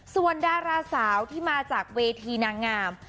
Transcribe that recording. ส่วนดาราสาวที่มาจากเวทีนางงาม